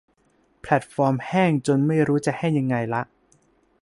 แพลตฟอร์มแห้งจนไม่รู้จะแห้งยังไงละ